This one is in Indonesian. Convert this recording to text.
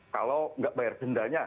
kalau gak bayar dendanya